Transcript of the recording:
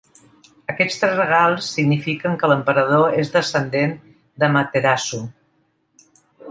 Aquests tres regals signifiquen que l'emperador és descendent d'Amaterasu.